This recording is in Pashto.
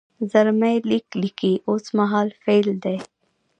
زلمی لیک لیکي اوس مهال فعل دی.